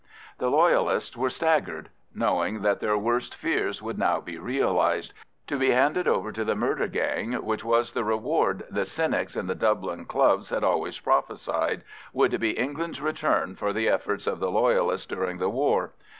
The Loyalists were staggered, knowing that their worst fears would now be realised; to be handed over to the murder gang, which was the reward the cynics in the Dublin clubs had always prophesied, would be England's return for the efforts of the Loyalists during the war.